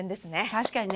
確かにね。